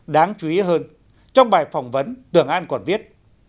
đáng chú ý hơn trong bài phỏng vấn tưởng an còn viết